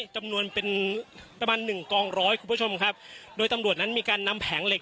จำนวนเป็นประมาณหนึ่งกองร้อยคุณผู้ชมครับโดยตำรวจนั้นมีการนำแผงเหล็ก